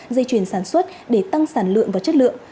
dây chuyển sản xuất để tăng sản lượng và chất lượng